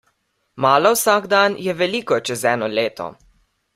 Malo vsak dan je veliko čez eno leto.